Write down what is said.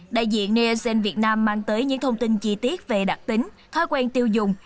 đại diện nielsen việt nam mang tới những thông tin chi tiết về đặc tính thói quen tiêu dùng